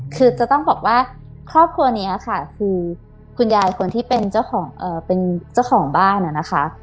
คือจะต้องบอกว่าครอบครัวนี้ค่ะคือคุณยายคนที่เป็นเจ้าของเป็นเจ้าของบ้านนะคะ